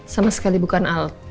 sama sekali bukan al